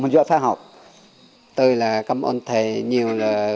đã được mở tại đây